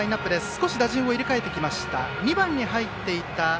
少し打順を入れ替えてきました。